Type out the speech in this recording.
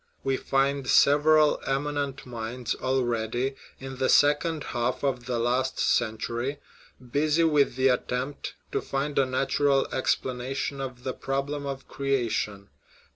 We find several eminent minds al ready, in the second half of the last century, busy with the attempt to find a natural explanation of the " prob lem of creation."